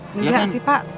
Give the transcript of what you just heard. enggak sih pak